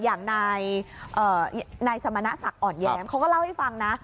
อย่างนายสมณศักดิ์อ่อนแย้มเขาก็เล่าให้ฟังนะ